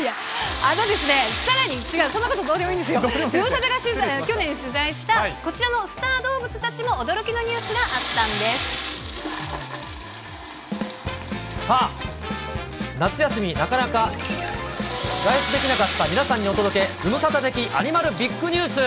あのですね、さらに違う、そんなことどうでもいいですよ、ズムサタが去年取材したこちらのスター動物たちも驚きのニュースさあ、夏休み、なかなか外出できなかった皆さんにお届け、ズムサタ的アニマルＢＩＧＮＥＷＳ。